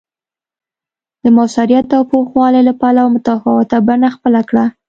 د موثریت او پوخوالي له پلوه متفاوته بڼه خپله کړه